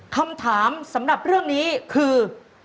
คำถามสำหรับเรื่องนี้คือ